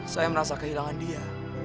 saya merasa kehilangan dia